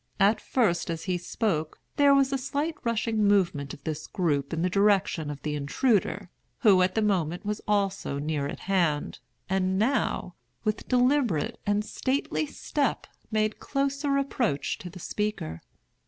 At first, as he spoke, there was a slight rushing movement of this group in the direction of the intruder, who at the moment was also near at hand, and now, with deliberate and stately step, made closer approach to the speaker.